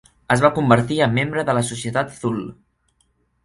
Es va convertir en membre de la Societat Thule.